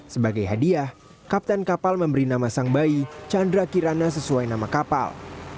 sebagai hadiah kapten kapal memberi nama sang bayi chandra kirana sesuai nama kapal